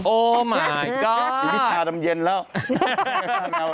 โอ้มาทายจ๊าชาดำเย็นแล้ว